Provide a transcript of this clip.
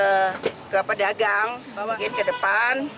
saya ke pedagang mungkin ke depan